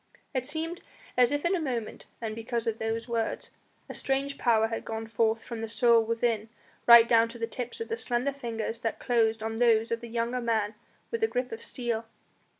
It seemed as if in a moment and because of those words a strange power had gone forth from the soul within right down to the tips of the slender fingers that closed on those of the younger man with a grip of steel.